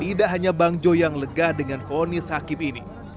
tidak hanya bang jo yang lega dengan vonis hakim ini